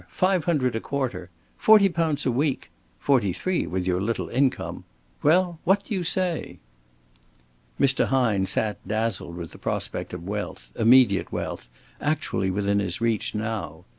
Five hundred a quarter! Forty pounds a week! Forty three with your little income! Well, what do you say?" Mr. Hine sat dazzled with the prospect of wealth, immediate wealth, actually within his reach now.